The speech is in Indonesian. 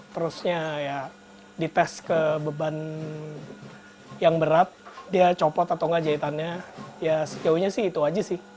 terusnya ya dites ke beban yang berat dia copot atau enggak jahitannya ya sejauhnya sih itu aja sih